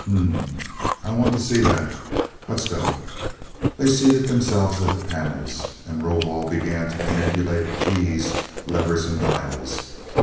"Hm m m. I want to see that! Let's go!" They seated themselves at the panels, and Rovol began to manipulate keys, levers and dials.